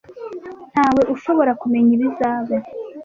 Ntawe ushobora kumenya ibizaba.